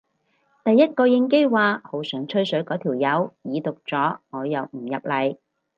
第一個應機話好想吹水嗰條友已讀咗我又唔入嚟